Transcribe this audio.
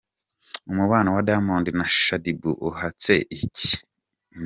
Umubano wa Diamond na Shaddy Boo uhatse iki ?